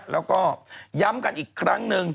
แล้วก็ย้ำกันอีกครั้งหนึ่ง